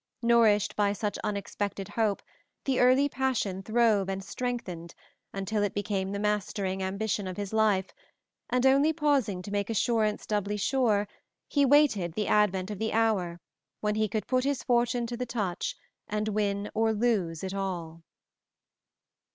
Nourished by such unexpected hope, the early passion throve and strengthened until it became the mastering ambition of his life, and, only pausing to make assurance doubly sure, he waited the advent of the hour when he could "put his fortune to the touch and win or lose it all."